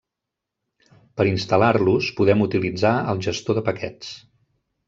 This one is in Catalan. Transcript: Per instal·lar-los, podem utilitzar el gestor de paquets.